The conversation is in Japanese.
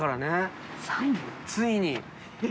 ついに。